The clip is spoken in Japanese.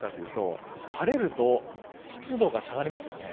晴れると湿度が下がりますよね。